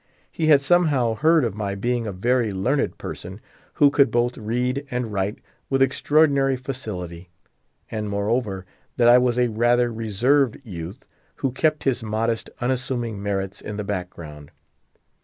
He had somehow heard of my being a very learned person, who could both read and write with extraordinary facility; and moreover that I was a rather reserved youth, who kept his modest, unassuming merits in the background.